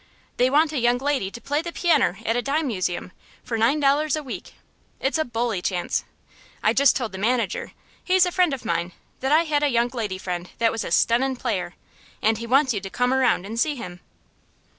"They want a young lady to play the pianner at a dime museum, for nine dollars a week. It's a bully chance. I just told the manager he's a friend of mine that I had a young lady friend that was a stunnin' player, and he wants you to come around and see him."